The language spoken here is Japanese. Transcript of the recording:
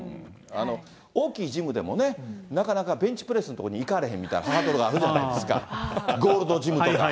大きなジムもなかなかベンチプレスの所に行かれへんみたいなハードルがあるじゃないですか、ゴールドジムとか。